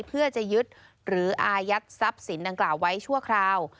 เพื่อจะยึดหรืออายัดทรัพย์สินดังกล่าวไว้ชั่วคราว